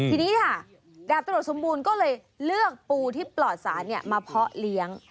ทีนี้ค่ะดาบตำรวจสมบูรณ์ก็เลยเลือกปูที่ปลอดสารมาเพาะเลี้ยง